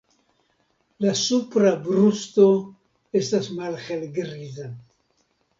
La supra brusto estas malhelgriza.